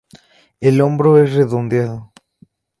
El hombro es redondeado.